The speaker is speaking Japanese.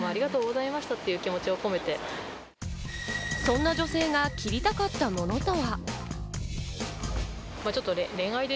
そんな女性が切りたかったものとは？